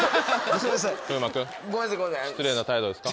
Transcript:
失礼な態度ですか？